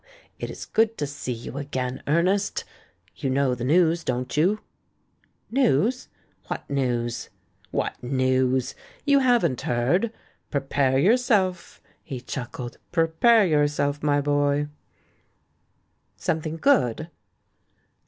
it is good to see you again, Ernest. You know the news, don't you ?" "News? What news?" " 'What news' ? You haven't heard ? Prepare yourself!" He chuckled. "Prepare yourself, my boy!" 306 THE MAN WHO UNDERSTOOD WOMEN "Something good?"